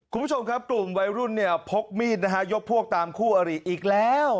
คุณผู้ชมครับกลุ่มวัยรุ่นพกมีดยกพวกตามคู่อารีอีกแล้ว